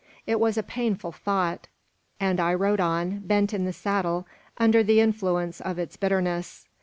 It was a painful thought; and I rode on, bent in the saddle, under the influence of its bitterness.